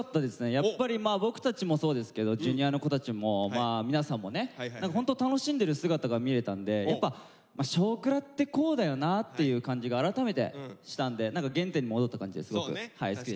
やっぱり僕たちもそうですけどＪｒ．の子たちも皆さんもねホント楽しんでる姿が見れたんでやっぱ「少クラ」ってこうだよなっていう感じが改めてしたんで原点に戻った感じですごく好きでした。